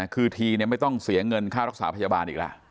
คือทีไม่ต้องเสียเงินค่ารักษาพยาบาลอีกแล้ว